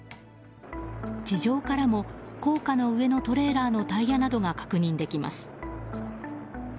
地上からも、高架の上のトレーラーのタイヤなどが確認できます。